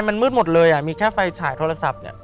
มันมืดหมดเลยมีแค่ไฟฉายโทรศัพท์เนี่ย